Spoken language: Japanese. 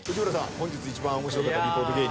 本日一番面白かったリポート芸人。